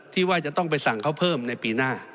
ที่ว่าจะต้องไปสั่งเขาเพิ่มในปีหน้า